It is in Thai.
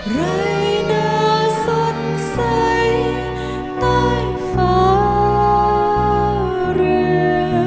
ไรน่าสดใสใต้ฟ้าเรือ